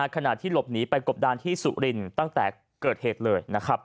ขณะที่หลบหนีไปกบดานที่สุรินตั้งแต่เกิดเหตุเลยนะครับ